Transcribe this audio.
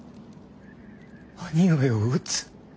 兄上を討つ。